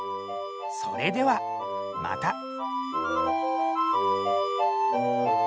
それではまた。